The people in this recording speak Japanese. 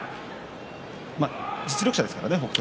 実力者ですからね北勝